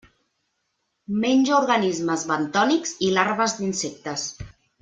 Menja organismes bentònics i larves d'insectes.